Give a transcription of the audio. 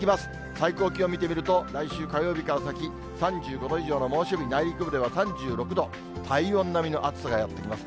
最高気温見てみると、来週火曜日から先、３５度以上の猛暑日、内陸部では３６度、体温並みの暑さがやって来ます。